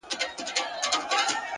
صادق زړه پټ ویره نه ساتي’